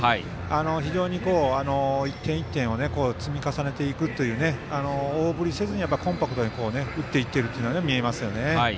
非常に１点１点を積み重ねていくという大振りせずにコンパクトに打っていっているというのが見えますね。